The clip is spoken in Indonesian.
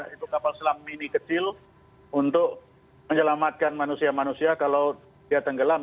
itu kapal selam mini kecil untuk menyelamatkan manusia manusia kalau dia tenggelam